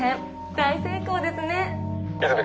大成功ですねッ！